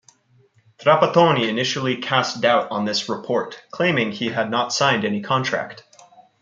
Trapattoni initially cast doubt on this report, claiming he had not signed any contract.